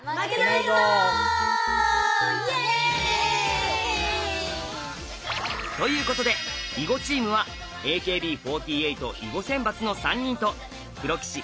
イエーイ！ということで囲碁チームはＡＫＢ４８囲碁選抜の３人とプロ棋士